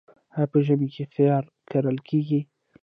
آیا په ژمي کې خیار کرل کیږي؟